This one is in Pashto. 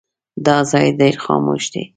دا ځای ډېر خاموش دی.